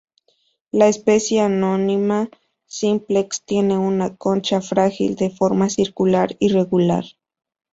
La especie "Anomia simplex" tiene una concha frágil de forma circular irregular.